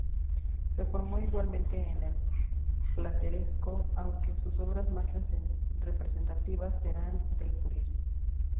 Se formó igualmente en el plateresco, aunque sus obras más representativas serán del purismo.